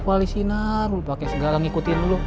alis sinar lu pake segala ngikutin lu